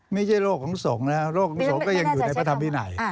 ไม่ใช่โรคของสงฆ์นะโรคของสงฆ์ก็ยังอยู่ในพระธรรมวินัย